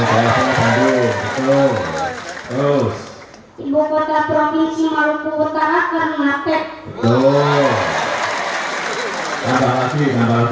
terus ibu kota provinsi maluku utara keringate